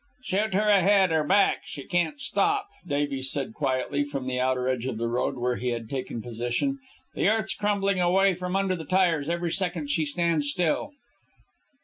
"Shoot her ahead, or back she can't stop," Davies said quietly, from the outer edge of the road, where he had taken position. "The earth's crumbling away from under the tires every second she stands still."